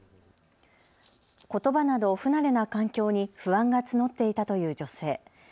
ことばなど不慣れな環境に不安が募っていたという女性。